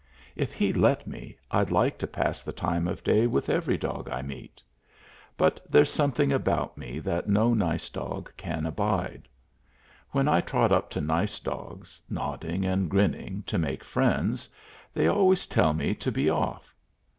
If he'd let me, I'd like to pass the time of day with every dog I meet. But there's something about me that no nice dog can abide. When I trot up to nice dogs, nodding and grinning, to make friends, they always tell me to be off.